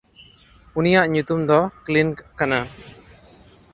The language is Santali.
ᱩᱱᱤᱭᱟᱜ ᱧᱩᱛᱩᱢ ᱫᱚ ᱠᱞᱤᱱᱜ ᱠᱟᱱᱟ᱾